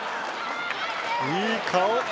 いい顔！